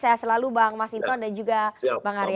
saya selalu bang mas inton dan juga bang arya